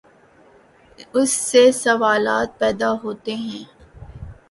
اس سے سوالات پیدا ہوتے ہیں۔